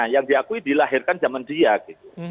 tapi aku diakui dilahirkan zaman dia gitu